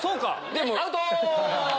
でもアウト！